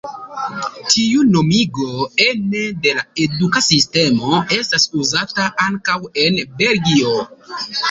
Tiu nomigo ene de la eduka sistemo estas uzata ankaŭ en Belgio.